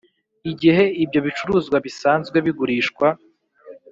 igihe ibyo bicuruzwa bisanzwe bigurishwa